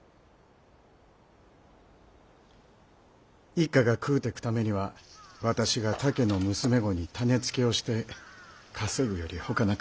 一家が食うていくためには私が他家の娘御に種付けをして稼ぐよりほかなく。